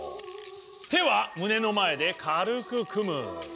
手は胸の前で軽く組む。